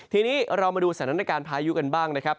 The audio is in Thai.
ทีนี้เรามาดูสถานการณ์พายุกันบ้างนะครับ